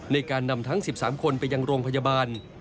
ในการนำทั้ง๑๓คนไปยังโรงพยาบาล